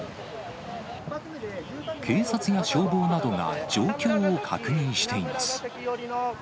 警察や消防などが状況を確認しています。